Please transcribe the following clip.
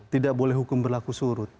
tidak boleh hukum berlaku surut